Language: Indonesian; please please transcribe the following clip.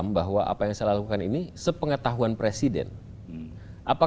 detik dua zaman battlefield udah sampai yuk posisi pertama